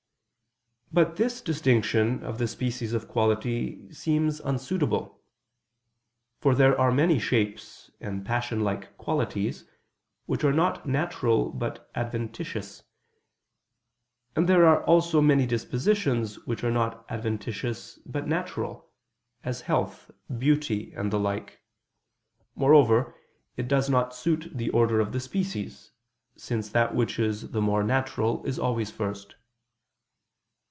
But this distinction of the species of quality seems unsuitable. For there are many shapes, and passion like qualities, which are not natural but adventitious: and there are also many dispositions which are not adventitious but natural, as health, beauty, and the like. Moreover, it does not suit the order of the species, since that which is the more natural is always first.